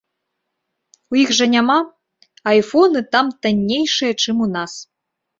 У іх жа няма, а айфоны там таннейшыя, чым у нас.